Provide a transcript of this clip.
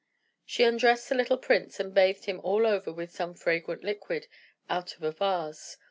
She undressed the little prince, and bathed him all over with some fragrant liquid out of a vase.